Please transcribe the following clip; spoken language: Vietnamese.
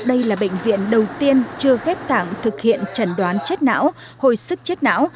đây là bệnh viện đầu tiên chưa ghép tạng thực hiện chẩn đoán chất não hồi sức chất não